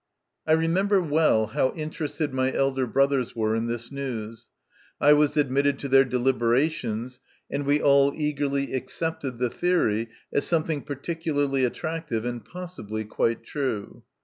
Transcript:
I remember well how interested my elder brothers were in this news ; I was admitted to their delibera tions, and we all eagerly accepted the theory as something particularly attractive and possibly quite true.